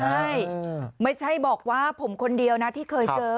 ใช่ไม่ใช่บอกว่าผมคนเดียวนะที่เคยเจอ